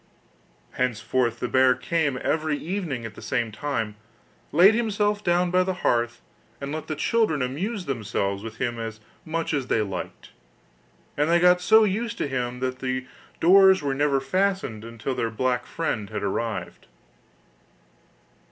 Henceforth the bear came every evening at the same time, laid himself down by the hearth, and let the children amuse themselves with him as much as they liked; and they got so used to him that the doors were never fastened until their black friend had arrived.